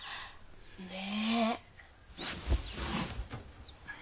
ねえ。